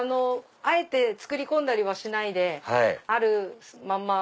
あえて作り込んだりはしないであるまんま。